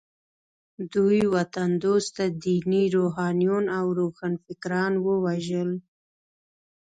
دوی وطن دوسته ديني روحانيون او روښانفکران ووژل.